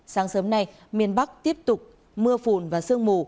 sáng sớm nay miền bắc tiếp tục mưa phùn và sương mù